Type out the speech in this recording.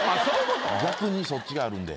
逆にそっちがあるんで。